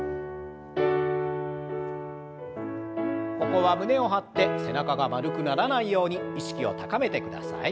ここは胸を張って背中が丸くならないように意識を高めてください。